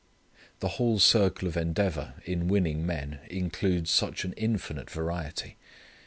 The whole circle of endeavour in winning men includes such an infinite variety.